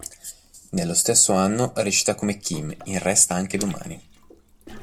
Nello stesso anno recita come Kim in "Resta anche domani".